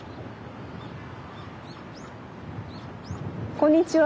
こんにちは。